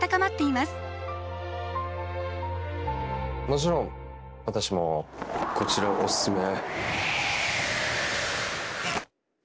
もちろん私もこちらをおすすめ。